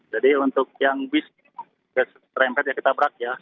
jadi untuk yang bis rempet yang kita brak ya